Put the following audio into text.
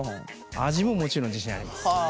味ももちろん自信あります。